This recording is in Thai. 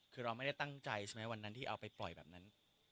คือเราไม่ได้ตั้งใจใช่ไหมวันนั้นที่เอาไปปล่อยแบบนั้น